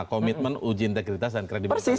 komitmen uji integritas dan kredibilitas